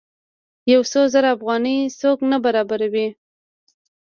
یو څو زره افغانۍ څوک نه برابروي.